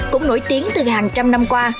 cũng nổi tiếng từ hàng trăm năm qua